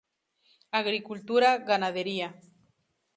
Agricultura, ganadería.